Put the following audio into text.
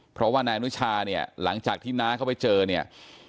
เพราะว่านายอนุชาเนี่ยหลังจากที่น้าเขาไปเจอเนี่ย